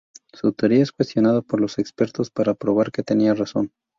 Su teoría es cuestionada por los expertos pero para probar que tenía razón.